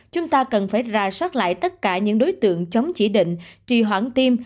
chúng ta cần phải ra soát lại tất cả những đối tượng chống chỉ định trì hoãn tiêm